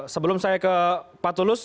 sebelum saya ke pak tulus